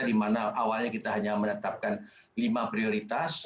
di mana awalnya kita hanya menetapkan lima prioritas